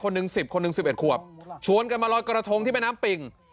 หนึ่งสิบคนหนึ่ง๑๑ขวบชวนกันมาลอยกระทงที่แม่น้ำปิ่ง